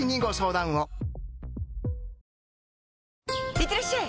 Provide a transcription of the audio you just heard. いってらっしゃい！